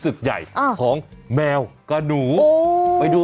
ซื้อให้มันต้องมีในกล่องไว้ล่ะ